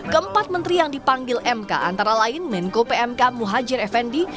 keempat menteri yang dipanggil mk antara lain menko pmk muhajir effendi